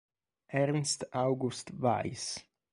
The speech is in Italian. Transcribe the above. Ernst August Weiss